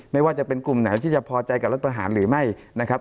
ไม่ว่าจะเป็นกลุ่มไหนที่จะพอใจกับรัฐประหารหรือไม่นะครับ